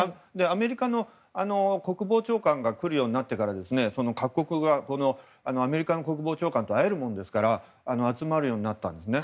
アメリカの国防長官が来るようになってから各国がアメリカの国防長官と会えるわけですから集まるようになったんですね。